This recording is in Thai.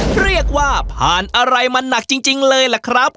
เรียกว่าผ่านอะไรมาหนักจริงเลยล่ะครับ